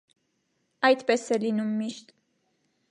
Այդպես է լինում միշտ.